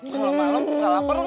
kalau malem gak lapar gak